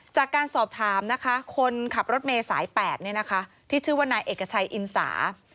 จากการสอบถามนะคะคนขับรถเมย์สาย๘ที่ชื่อว่านายเอกชัยอินสา